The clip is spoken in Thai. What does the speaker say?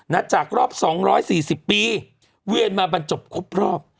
จากรอบ๒๔๐ปีเวียนมาบรรจบครบรอบ